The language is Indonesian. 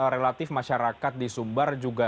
relatif masyarakat di sumbar juga